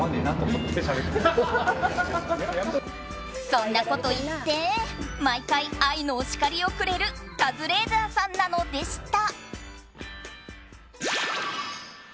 そんなこと言って毎回愛のお叱りをくれるカズレーザーさんなのでした。